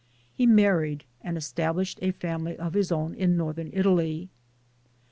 He married and established a family of his own in northern Italy.